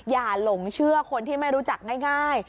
หลงเชื่อคนที่ไม่รู้จักง่าย